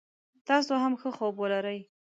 تاسو هم ښه خوب ولری